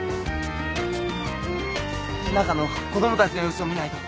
中の子供たちの様子を見ないと。